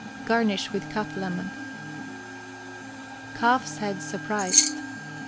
Garnish with cut lemon. CALF'S HEAD SURPRISED.